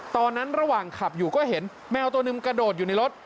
ระหว่างขับอยู่ก็เห็นแมวตัวหนึ่งกระโดดอยู่ในรถ